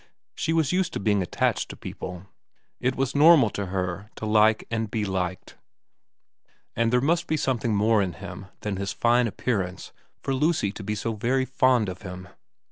She was used to being attached to people. It was normal to her to like and be liked. And there must be something more in him than his fine appearance for Lucy to be so very fond of him.